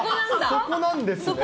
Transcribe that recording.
そこなんですね。